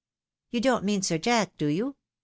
" You don't mean Sir Jack, do you ?